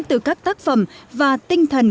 từ các tác phẩm và tinh thần